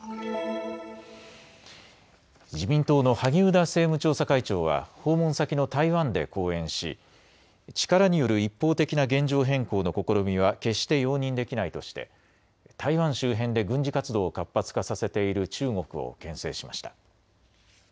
自民党の萩生田政務調査会長は訪問先の台湾で講演し力による一方的な現状変更の試みは決して容認できないとして台湾周辺で軍事活動を活発化させている中国をけん制しました。